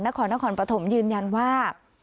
นครนครปฐมยืนยันว่า